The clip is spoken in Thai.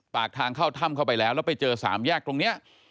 ปากทางเข้าถ้ำเข้าไปแล้วแล้วไปเจอสามแยกตรงนี้